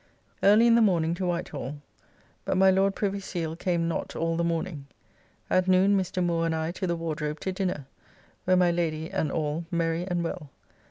Early in the mornink to Whitehall, but my Lord Privy Seal came not all the morning. At noon Mr. Moore and I to the Wardrobe to dinner, where my Lady and all merry and well.